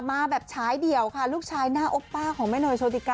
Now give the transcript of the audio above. มาแบบฉายเดี่ยวค่ะลูกชายหน้าโอปป้าของแม่เนยโชติกา